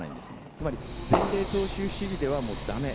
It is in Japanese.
つまり前例踏襲主義ではだめ。